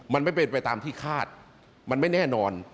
มันไม่เป็นไปตามที่คาดมันไม่แน่นอน